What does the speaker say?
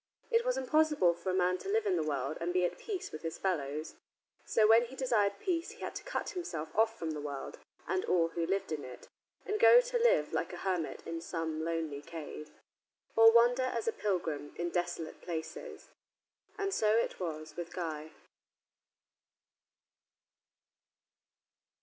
It was impossible for a man to live in the world and be at peace with his fellows. So when he desired peace he had to cut himself off from the world and all who lived in it, and go to live like a hermit in some lonely cave, or wander as a pilgrim in desolate places. And so it was with Guy.